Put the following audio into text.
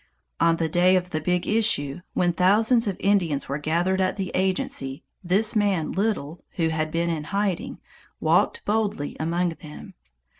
On the day of the "Big Issue", when thousands of Indians were gathered at the agency, this man Little, who had been in hiding, walked boldly among them.